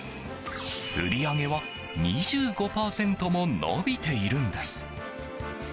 売り上げは２５％も伸びているんです。